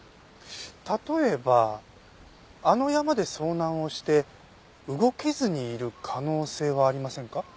例えばあの山で遭難をして動けずにいる可能性はありませんか？